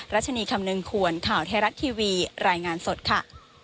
รัชนีคำนึงควรข่าวไทยรัฐทีวีรายงานสดค่ะ